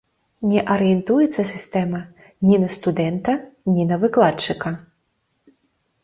Не арыентуецца сістэма ні на студэнта, ні на выкладчыка.